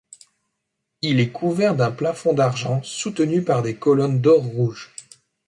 Il est couvert d'un plafond d'argent soutenu par des colonnes d'or rouge.